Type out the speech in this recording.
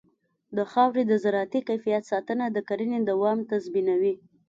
د خاورې د زراعتي کیفیت ساتنه د کرنې دوام تضمینوي.